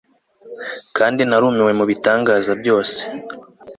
kandi narumiwe mubitangaza byose